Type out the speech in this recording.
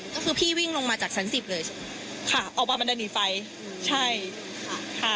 ก็คือพี่วิ่งลงมาจากสรรสิบเลยใช่ไหมค่ะออกมามันจะหนีไฟใช่ค่ะ